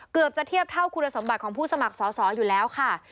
เกือบจะเทียบเท่าคุณสมบัติของผู้สมัครสอสออยู่แล้วค่ะ